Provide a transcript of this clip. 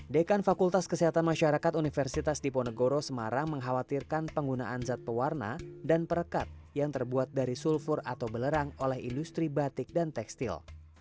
dekan fakultas kesehatan masyarakat universitas diponegoro semarang mengkhawatirkan penggunaan zat pewarna dan perekat yang terbuat dari sulfur atau belerang oleh industri batik dan tekstil